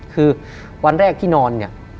คือวันแรกที่นอน